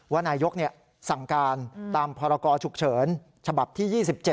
นายกสั่งการตามพรกรฉุกเฉินฉบับที่๒๗